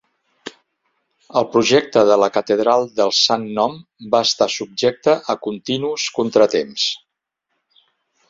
El projecte de la Catedral del Sant Nom va estar subjecte a continus contratemps.